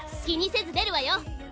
「きにせず出るわよ。